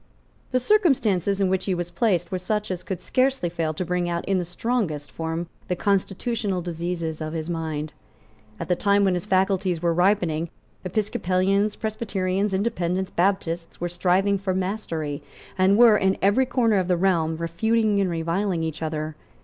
The circumstances in which he was placed were such as could scarcely fail to bring out in the strongest form the constitutional diseases of his mind. At the time when his faculties were ripening, Episcopalians, Presbyterians, Independents, Baptists, were striving for mastery, and were, in every corner of the realm, refuting and reviling each other.